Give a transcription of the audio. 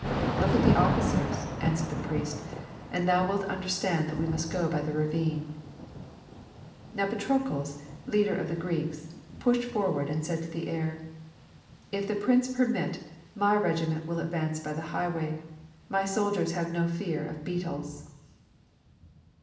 "Look at the officers," answered the priest, "and thou wilt understand that we must go by the ravine." Now Patrokles, leader of the Greeks, pushed forward and said to the heir, "If the prince permit, my regiment will advance by the highway. My soldiers have no fear of beetles!"